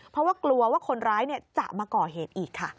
เพราะว่ากลัวว่าคนร้ายจะมาก่อเหตุอีกค่ะ